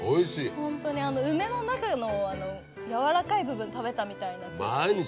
ホントに梅の中の柔らかい部分食べたみたいな。